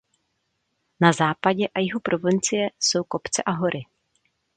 Na západě a jihu provincie jsou kopce a hory.